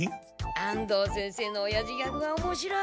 「安藤先生のおやじギャグはおもしろい。